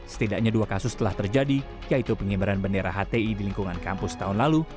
setidaknya dua kasus telah terjadi yaitu pengibaran bendera hti di lingkungan kampus tahun lalu